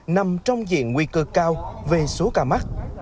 nằm trong diện nguy cơ cao về số ca mắc